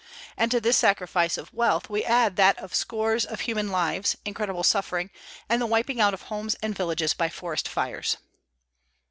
And to this sacrifice of wealth we add that of scores of human lives, incredible suffering, and the wiping out of homes and villages by forest fires.